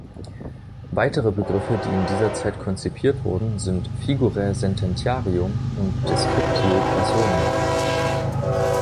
Weitere Begriffe, die in dieser Zeit konzipiert wurden, sind „figurae sententiarum“ und „descriptio personae“.